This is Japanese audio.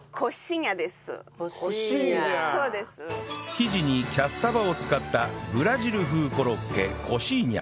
生地にキャッサバを使ったブラジル風コロッケコシーニャ